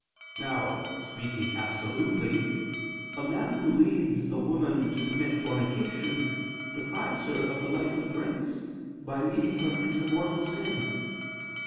Now, speaking absolutely, a man who leads a woman to commit fornication deprives her of the life of grace by leading her into mortal sin.